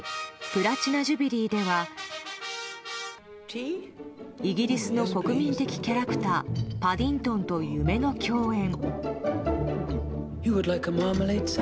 プラチナ・ジュビリーではイギリスの国民的キャラクターパディントンと夢の共演。